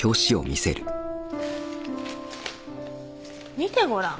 見てごらん。